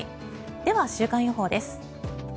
では、週間予報です。